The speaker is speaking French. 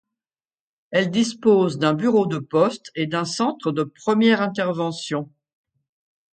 Elle dispose d'un bureau de poste et d'un centre de première intervention.